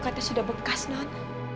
kata sudah bekas non